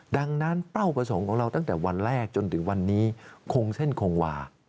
ดังนั้นเป้าประสงค์ของเราตั้งแต่วันแรกจนถึงวันนี้คงเส้นคงวา